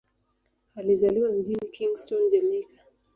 Alizaliwa mjini Kingston, Jamaika.